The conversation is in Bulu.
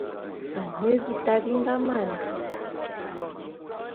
Ane bita bi nga man.